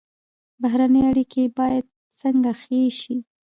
بهرنۍ اړیکې باید څنګه ښې شي؟